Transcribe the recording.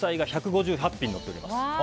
副菜が１５８品載っております。